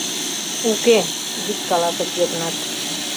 — Уке! — вик каласыш Йыгнат.